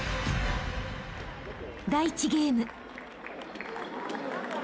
［第１ゲーム］